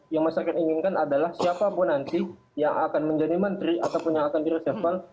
yang masyarakat inginkan adalah siapapun nanti yang akan menjadi menteri ataupun yang akan di reshuffle